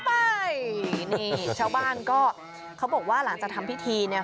ไปนี่ชาวบ้านก็เขาบอกว่าหลังจากทำพิธีเนี่ย